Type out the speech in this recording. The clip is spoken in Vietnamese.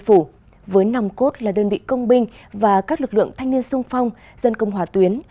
phủ với năm cốt là đơn vị công binh và các lực lượng thanh niên xung phong dân công hòa tuyến